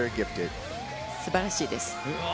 すばらしいです。